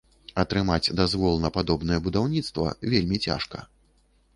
Атрымаць дазвол на падобнае будаўніцтва вельмі цяжка.